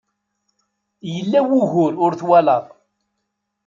Yella wugur ur twalaḍ.